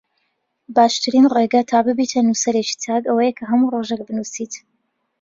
باشترین ڕێگە تا ببیتە نووسەرێکی چاک ئەوەیە کە هەموو ڕۆژێک بنووسیت